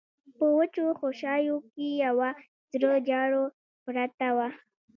په وچو خوشايو کې يوه زړه جارو پرته وه.